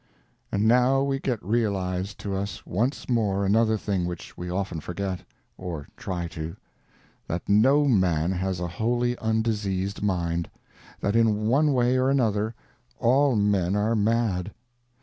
And now we get realized to us once more another thing which we often forget—or try to: that no man has a wholly undiseased mind; that in one way or another all men are mad.